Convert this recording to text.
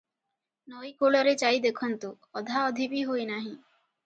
ନଈକୂଳରେ ଯାଇ ଦେଖନ୍ତୁ, ଅଧାଅଧି ବି ହୋଇନାହିଁ ।